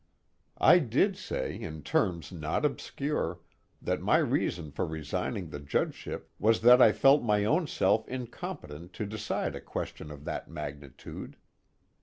I did say, in terms not obscure, that my reason for resigning the judgeship was that I felt my own self incompetent to decide a question of that magnitude.